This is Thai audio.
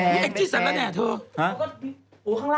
แอ็กซี่เสร็จแล้วแน่เธอ